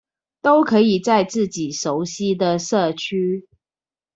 都可以在自己熟悉的社區